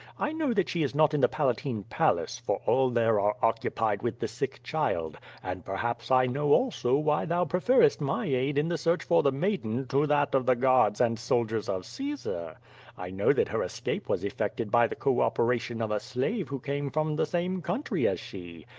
I know that she is not in the Palatine Palace, for all there are occupied with the sick child; and perhaps T know also why thou preferest my aid in the search for the maiden to that of the guards and soldiers of Caesar. I know that her escape was effected by the co operation of a slave who came from the same country as she.